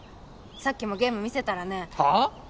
さっきもゲーム見せたらねはあ？